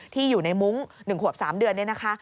ที่อยู่ในมุ้ง๑ขวบ๓เดือนนี่นะคะ